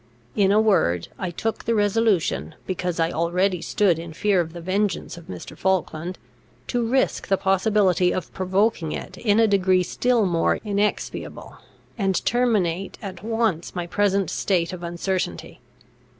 In a word, I took the resolution, because I already stood in fear of the vengeance of Mr. Falkland, to risk the possibility of provoking it in a degree still more inexpiable, and terminate at once my present state of uncertainty.